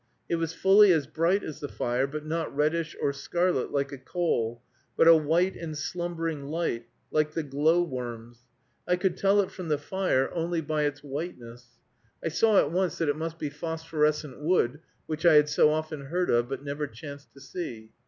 It was fully as bright as the fire, but not reddish or scarlet, like a coal, but a white and slumbering light, like the glow worm's. I could tell it from the fire only by its whiteness. I saw at once that it must be phosphorescent wood, which I had so often heard of, but never chanced to see.